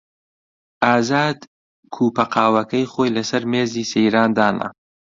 ئازاد کووپە قاوەکەی خۆی لەسەر مێزی سەیران دانا.